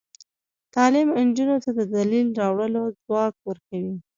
تعلیم نجونو ته د دلیل راوړلو ځواک ورکوي.